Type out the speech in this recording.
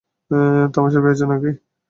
তামাশা পেয়েছ নাকি?